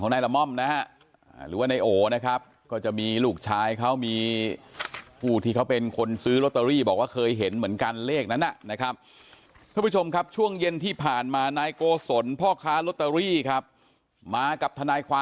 ให้มาเคลียร์ให้ใจให้ดึงเขามานั่งเลข่าย